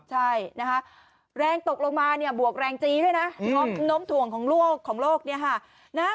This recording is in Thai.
ใช่นะคะแรงตกลงมาเนี่ยบวกแรงจีด้วยนะน้มถ่วงของโลกของโลกเนี่ยค่ะนะ